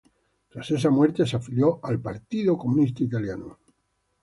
Tras esa muerte se afilió al Partido Comunista Italiano.